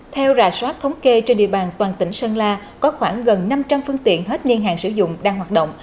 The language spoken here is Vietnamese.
theo rà soát thống kê trên địa bàn toàn tỉnh sơn la có khoảng gần năm trăm linh phương tiện hết niên hạn sử dụng đang hoạt động